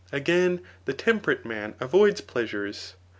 Again, the temperate man avoids pleasures.